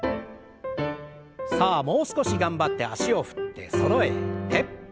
さあもう少し頑張って脚を振ってそろえて。